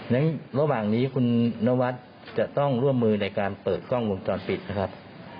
ระหว่างนี้คุณนวัดจะต้องร่วมมือในการเปิดกล้องวงจรปิดนะครับ